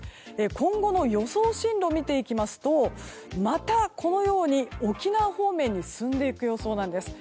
今後の予想進路を見ていきますとまた沖縄方面に進んでいく予想なんです。